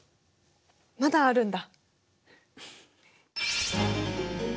まだあるんだ？